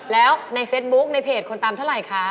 แล้วในเฟซบุ๊คในเพจคนตามเท่าไหร่คะ